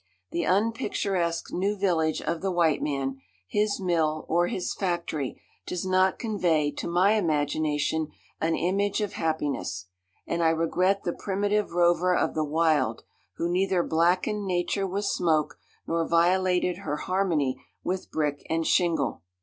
The unpicturesque new village of the white man, his mill, or his factory, does not convey to my imagination an image of happiness; and I regret the primitive rover of the wild, who neither blackened nature with smoke, nor violated her harmony with brick and shingle.